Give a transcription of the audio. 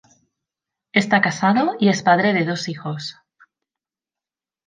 Está casado y es padre de dos hijos.